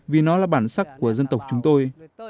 vì nó là bản sắc của dân tộc chúng tôi